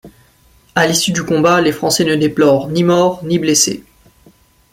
À l'issue du combat, les Français ne déplorent ni mort, ni blessé.